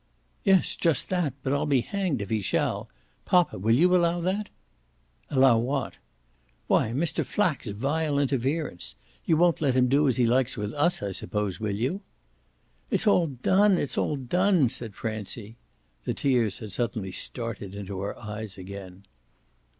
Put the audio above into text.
"Yes, just that. But I'll be hanged if he shall. Poppa, will you allow that?" "Allow what?" "Why Mr. Flack's vile interference. You won't let him do as he likes with us, I suppose, will you?" "It's all done it's all done!" said Francie. The tears had suddenly started into her eyes again.